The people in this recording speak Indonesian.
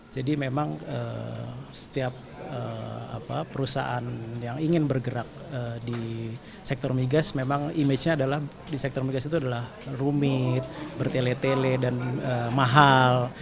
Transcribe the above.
jadi memang setiap perusahaan yang ingin bergerak di sektor migas memang image nya adalah di sektor migas itu adalah rumit bertele tele dan mahal